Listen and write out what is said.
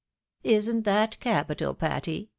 " Isn't that capital, Patty